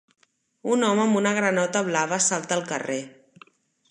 Un home amb una granota blava salta al carrer.